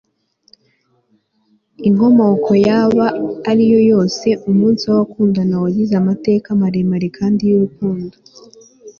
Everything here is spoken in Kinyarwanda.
inkomoko yaba ari yo yose, umunsi w'abakundana wagize amateka maremare kandi y'urukundo